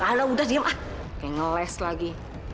lalu udah diam ah kayak ngeles lagi